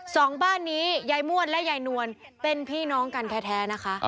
สองบ้านนี้ยายม่วนและยายนวลเป็นพี่น้องกันแท้นะคะ